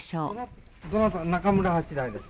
どなた中村八大です。